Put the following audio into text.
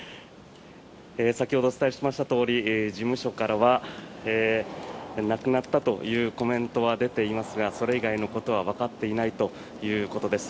先ほど、お伝えしましたとおり事務所からは亡くなったというコメントは出ていますがそれ以外のことはわかっていないということです。